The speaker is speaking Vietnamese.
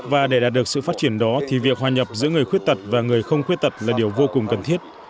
và để đạt được sự phát triển đó thì việc hòa nhập giữa người khuyết tật và người không khuyết tật là điều vô cùng cần thiết